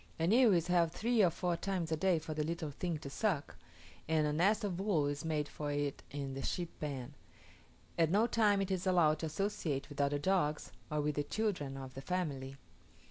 An ewe is held three or four times a day for the little thing to suck, and a nest of wool is made for it in the sheep pen; at no time is it allowed to associate with other dogs, or with the children of the family.